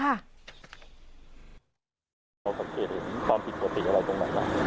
ความผิดปกติอะไรตรงนั้นค่ะ